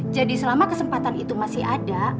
jadi selama kesempatan itu masih ada